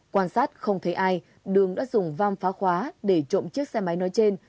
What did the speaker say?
quan sát không thấy ai đường đã dùng vam phá khóa để trộm chiếc xe máy nói trên